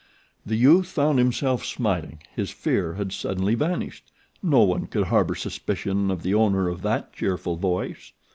The youth found himself smiling. His fear had suddenly vanished. No one could harbor suspicion of the owner of that cheerful voice.